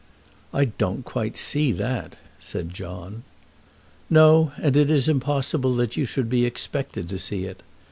"I don't quite see that," said John. "No; and it is impossible that you should be expected to see it.